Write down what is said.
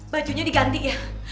bajunya diganti ya